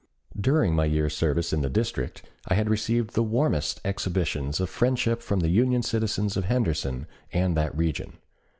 During my year's service in the district I had received the warmest exhibitions of friendship from the Union citizens of Henderson and that region.